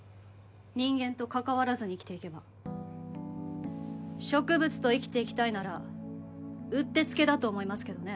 人間と関わらずに生きていけば植物と生きていきたいならうってつけだと思いますけどね